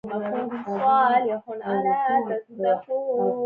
بصیر زما دې سفر ته خوشاله دی.